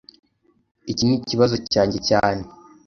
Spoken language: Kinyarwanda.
Iki nikibazo cyanjye cyane